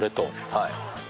はい。